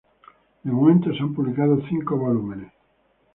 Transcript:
De momento, se han publicado cinco volúmenes.